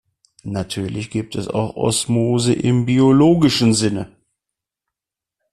Natürlich gibt es auch Osmose im biologischen Sinne.